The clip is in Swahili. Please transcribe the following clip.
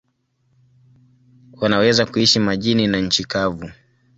Wanaweza kuishi majini na nchi kavu.